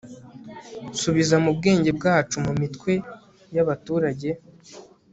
Subiza mubwenge bwacu mumitwe yabaturage